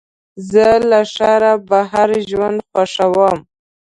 زه له ښاره بهر ژوند خوښوم.